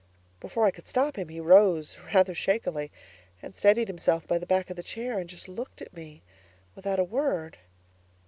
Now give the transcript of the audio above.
Before I could stop him he rose rather shakily and steadied himself by the back of the chair and just looked at me without a word.